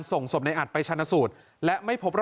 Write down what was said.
ส่งมาขอความช่วยเหลือจากเพื่อนครับ